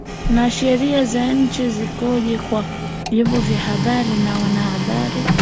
na sheria za nchi zikoje kwa vyombo vya habari na wanahabari